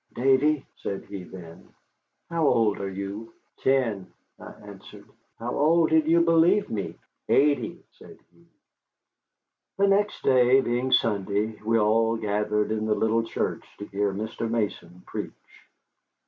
"Davy," said he, then, "how old are you?" "Ten," I answered. "How old did you believe me?" "Eighty," said he. The next day, being Sunday, we all gathered in the little church to hear Mr. Mason preach.